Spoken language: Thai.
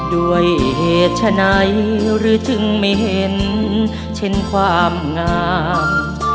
ด้วยเหตุฉะนั้นหรือจึงไม่เห็นเช่นความงาม